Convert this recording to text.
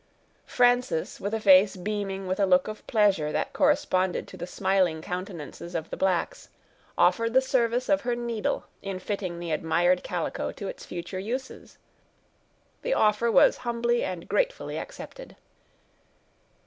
Frances, with a face beaming with a look of pleasure that corresponded to the smiling countenances of the blacks, offered the service of her needle in fitting the admired calico to its future uses. The offer was humbly and gratefully accepted.